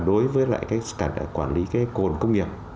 đối với lại cái quản lý cái cồn công nghiệp